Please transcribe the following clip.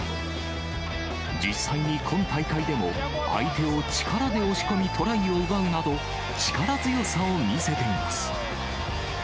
実際に今大会でも、相手を力で押し込み、トライを奪うなど、力強さを見せています。